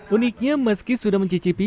uniknya meski sudah mencicipi